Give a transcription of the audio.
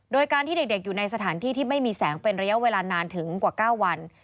โดยการที่เด็กอยู่ในสถานที่ที่ไม่มีแสงเป็นระยะเวลานานถึงกว่า๙วัน